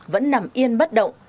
vẫn nằm yên bất động